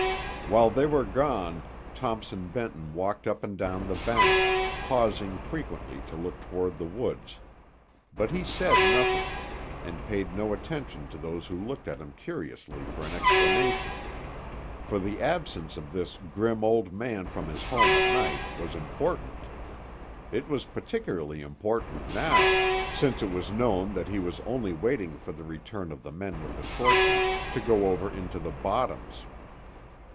While they were gone Thompson Benton walked up and down the bank, pausing frequently to look toward the woods, but he said nothing, and paid no attention to those who looked at him curiously for an explanation; for the absence of this grim old man from his home at night was important; it was particularly important now, since it was known that he was only waiting for the return of the men with the torches, to go over into the bottoms.